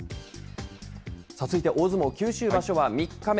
続いて大相撲九州場所は３日目。